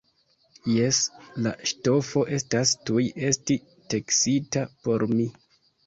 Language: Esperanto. Jes, la ŝtofo devas tuj esti teksita por mi!